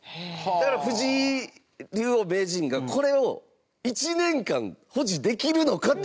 だから、藤井竜王・名人がこれを１年間保持できるのかっていうのが、ここから。